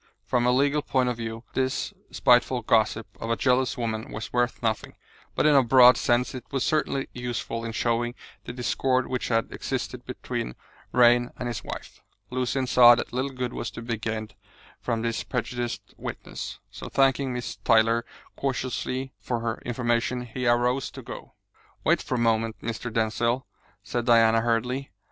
From a legal point of view this spiteful gossip of a jealous woman was worth nothing, but in a broad sense it was certainly useful in showing the discord which had existed between Vrain and his wife. Lucian saw that little good was to be gained from this prejudiced witness, so thanking Miss Tyler courteously for her information, he arose to go. "Wait for a moment, Mr. Denzil," said Diana hurriedly.